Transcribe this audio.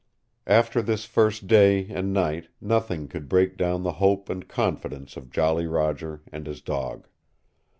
After this first day and night nothing could break down the hope and confidence of Jolly Roger and his, dog.